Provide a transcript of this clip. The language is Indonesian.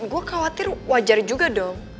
gue khawatir wajar juga dong